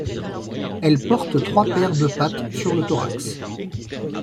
Elles portent trois paires de pattes sur le thorax.